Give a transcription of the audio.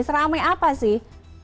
seramai apa sih